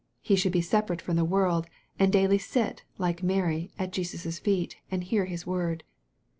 He should be separate from the world, and daily sit, like Mary, at Jesus' feet, and hear His word.